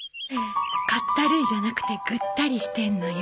「かったるい」じゃなくてぐったりしてんのよ。